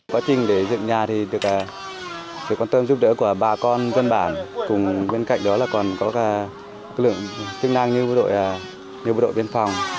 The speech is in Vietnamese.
quá trình để dựng nhà thì được sự quan tâm giúp đỡ của bà con dân bản cùng bên cạnh đó là còn có các lượng tương năng như bộ đội biên phòng